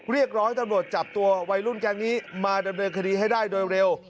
เรียกร้องให้ตำรวจจับตัววัยรุ่นแก๊งนี้มาดำเนินคดีให้ได้โดยเร็ว